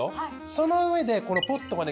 その上でこのポットがね